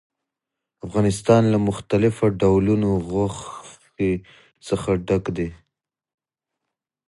افغانستان له مختلفو ډولونو غوښې څخه ډک دی.